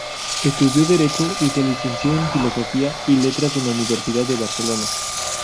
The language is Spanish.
Estudió Derecho y se licenció en Filosofía y Letras en la Universidad de Barcelona.